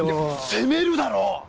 責めるだろ！